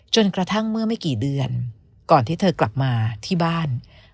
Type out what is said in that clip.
จนกระทั่งเมื่อไม่กี่เดือนก่อนที่เธอกลับมาที่บ้าน